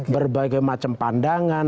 berbagai macam pandangan